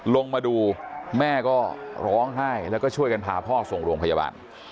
ลงมาดูแม่ก็ร้องไห้แล้วก็ช่วยกันพาพ่อส่งโรงพยาบาล